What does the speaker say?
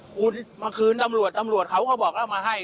คุณมาคืนตำรวจตำรวจเขาก็บอกเอามาให้